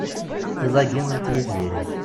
Iḍ-agi ad tili tziri.